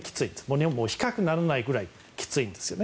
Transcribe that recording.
日本と比較にならないくらいきついんですね。